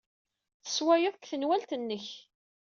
Tessewwayed deg tenwalt-nnek.